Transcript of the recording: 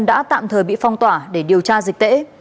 đã tạm thời bị phong tỏa để điều tra dịch tễ